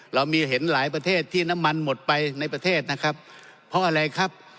เรามีเห็นหลายประเทศที่น้ำมันหมดไปในประเทศนะครับเพราะอะไรครับ